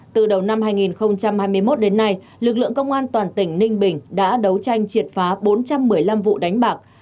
từ đầu năm hai nghìn hai mươi một đến nay lực lượng công an toàn tỉnh ninh bình đã đấu tranh triệt phá bốn trăm một mươi năm vụ đánh bạc